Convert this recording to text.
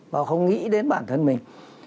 và họ không nghĩ đến bản thân mình